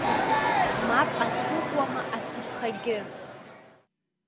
Мап ацәукуама ацаԥхагьы?